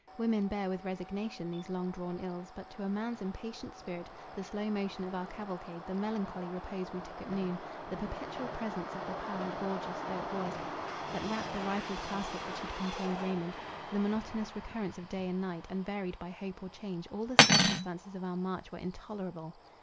Women bear with resignation these long drawn ills, but to a man's impatient spirit, the slow motion of our cavalcade, the melancholy repose we took at noon, the perpetual presence of the pall, gorgeous though it was, that wrapt the rifled casket which had contained Raymond, the monotonous recurrence of day and night, unvaried by hope or change, all the circumstances of our march were intolerable.